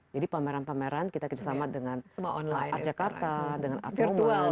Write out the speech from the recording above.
jadi pameran pameran kita kerjasama dengan art jakarta dengan art roman